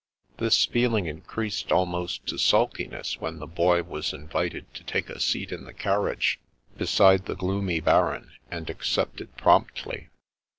This feeling increased almost to sulkiness when the Boy was invited to take a seat in the carriage beside the gloomy Baron, and accepted promptly.